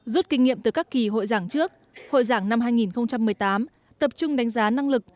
rút kinh nghiệm từ các kỳ hội giảng trước hội giảng năm hai nghìn một mươi tám tập trung đánh giá năng lực